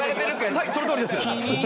はいそのとおりです！